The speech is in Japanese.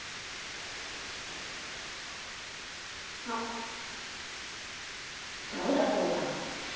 あっそうだそうだ。